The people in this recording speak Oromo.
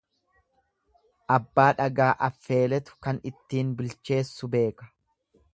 Abbaa dhagaa affeeletu kan ittin bilcheessu beeka.